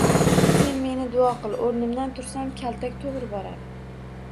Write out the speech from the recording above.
Sen meni duo qil, o‘rnimdan tursam, kaltak to‘g‘ri boradi